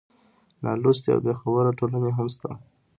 نالوستې او بېخبره ټولنې هم شته.